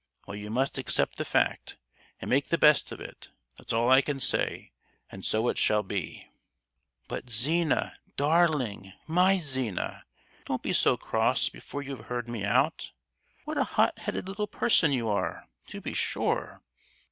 Well, you must accept the fact, and make the best of it; that's all I can say, and so it shall be!" "But Zina, darling—my Zina, don't be so cross before you have heard me out! What a hot headed little person you are, to be sure!